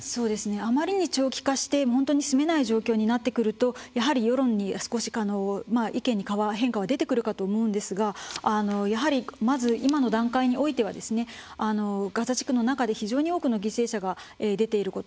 あまりに長期化して本当に住めない状況になってくるとやはり世論の意見に変化は出てくると思いますがやはり、まず今の段階においてはガザ地区の中で非常に多くの犠牲者が出ていること。